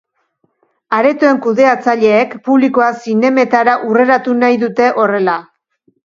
Aretoen kudeatzaileek publikoa zinemetara hurreratu nahi dute horrela.